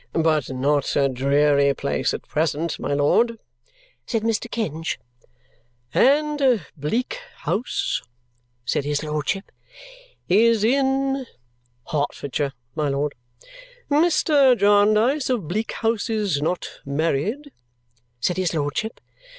"But not a dreary place at present, my lord," said Mr. Kenge. "And Bleak House," said his lordship, "is in " "Hertfordshire, my lord." "Mr. Jarndyce of Bleak House is not married?" said his lordship.